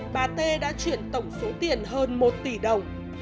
bà t đã chuyển tổng số tiền hơn một tỷ đồng